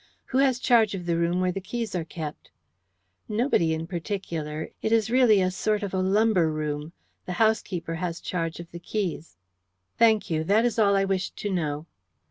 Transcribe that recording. "Who has charge of the room where the keys are kept?" "Nobody in particular. It is really a sort of a lumber room. The housekeeper has charge of the keys." "Thank you; that is all I wish to know."